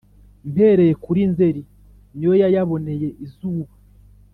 Mpereye kuri Nzeri Ni yo yayaboneye izuba